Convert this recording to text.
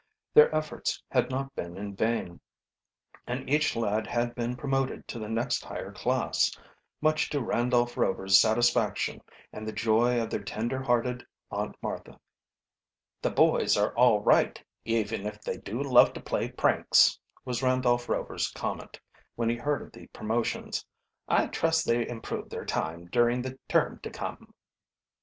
Their efforts had not been in vain, and each lad had been promoted to the next higher class, much to Randolph Rover's satisfaction and the joy of their tender hearted Aunt Martha. "The boys are all right, even if they do love to play pranks," was Randolph Rover's comment, when he heard of the promotions. "I trust they improve their time during the term to come."